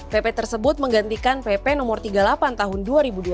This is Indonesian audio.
pp tersebut menggantikan kepentingan dan keuntungan dari pemerintah tersebut untuk mencapai penutup